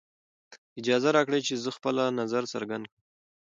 اجازه راکړئ چې زه خپله نظر څرګند کړم.